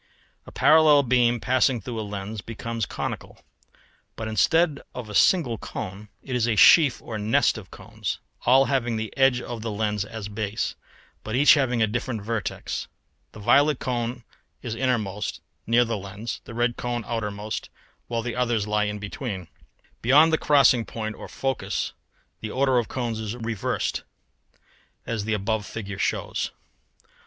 ] A parallel beam passing through a lens becomes conical; but instead of a single cone it is a sheaf or nest of cones, all having the edge of the lens as base, but each having a different vertex. The violet cone is innermost, near the lens, the red cone outermost, while the others lie between. Beyond the crossing point or focus the order of cones is reversed, as the above figure shows.